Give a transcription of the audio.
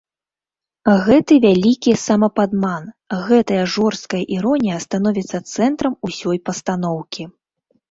Гэты вялікі самападман, гэтая жорсткая іронія становіцца цэнтрам усёй пастаноўкі.